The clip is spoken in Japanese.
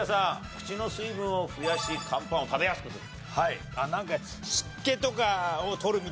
口の水分を増やしカンパンを食べやすくする。